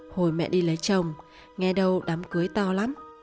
hồi mẹ đi lấy chồng nghe đâu đám cưới to lắm